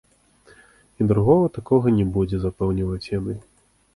І другога такога не будзе, запэўніваюць яны.